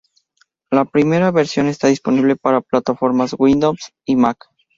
La primera versión está disponible para plataformas Windows y Mac.